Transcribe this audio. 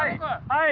はい。